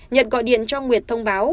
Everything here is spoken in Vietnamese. nhật gọi điện cho nguyệt thông báo